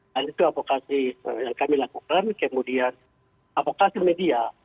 dan itu avokasi yang kami lakukan kemudian avokasi media